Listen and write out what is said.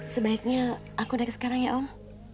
sebaiknya aku udah ke sekarang ya om